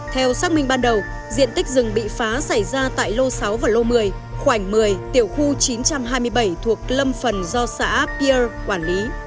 theo xác minh ban đầu diện tích rừng bị phá xảy ra tại lô sáu và lô một mươi khoảng một mươi tiểu khu chín trăm hai mươi bảy thuộc lâm phần do xã pierre quản lý